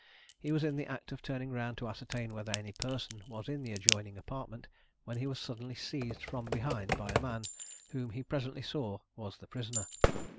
He was in the act of turning round to ascertain whether any person was in the adjoining apartment, when he was suddenly seized from behind by a man, whom he presently saw was the prisoner.